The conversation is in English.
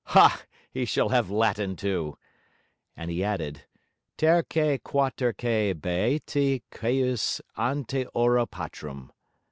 Ha, he shall have Latin too!' And he added: terque quaterque beati Queis ante ora patrum.